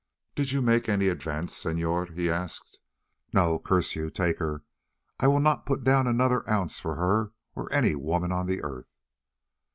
"Did you make any advance, senor?" he asked. "No, curse you! Take her. I will not put down another ounce for her or any woman on the earth."